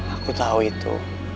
aku tau itu